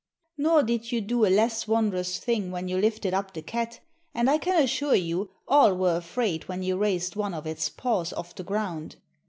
Nor did you do a less wondrous thing when you lifted up the cat, and I can assure you all were afraid when you raised one of its paws off the ground.